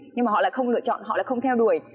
nhưng mà họ lại không lựa chọn họ lại không theo đuổi